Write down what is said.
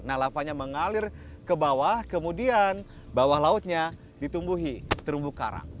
nah lavanya mengalir ke bawah kemudian bawah lautnya ditumbuhi terumbu karang